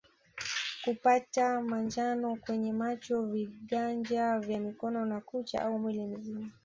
Kupata manjano kwenye macho vinganja vya mikono na kucha au mwili mzima